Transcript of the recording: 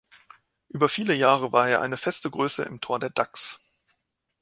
Über viele Jahre war er eine feste Größe im Tor der Ducks.